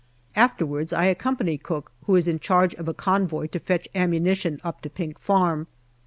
After wards I accompany Cooke, who is in charge of a convoy to fetch ammunition, up to Pink Farm.